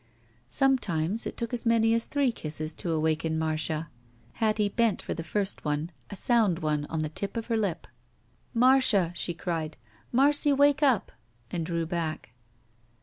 Sometimes it took as many as three kisses to awaken Marcia. Hattie bent for the first one, a sound one on the tip of her lip. "Marcia!" she cried. "Marcy, wake up!" and drew back.